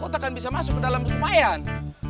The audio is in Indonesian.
kau takkan bisa masuk ke dalam kumain